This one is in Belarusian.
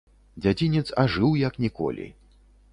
Дзядзінец ажыў як ніколі.